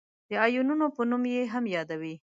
د آیونونو په نوم یې هم یادوي.